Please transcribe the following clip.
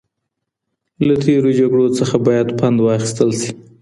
له تېرو جګړو څخه باید پند واخیستل سي.